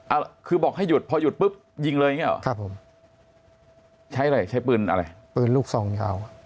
เอาคือบอกให้หยุดพอหยุดปุ๊บยิงเลยอย่างเงี้หรอครับผมใช้อะไรใช้ปืนอะไรปืนลูกซองยาว